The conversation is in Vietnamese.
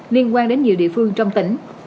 liên quan đến nhiều địa phương trong tỉnh